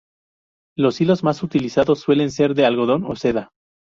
Los hilos más utilizados suelen ser de algodón o seda.